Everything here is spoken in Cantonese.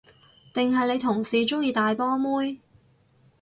定係你同事鍾意大波妹？